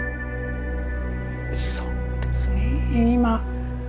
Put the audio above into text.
そうですね今。